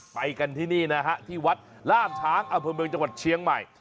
ไปกันที่นี่นะฮะที่วัดล่ามช้างอำเภอเมืองจังหวัดเชียงใหม่